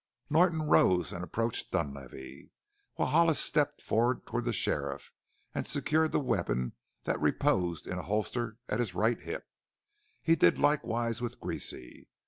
Norton rose and approached Dunlavey, while Hollis stepped forward to the sheriff and secured the weapon that reposed in a holster at his right hip. He did likewise with Greasy.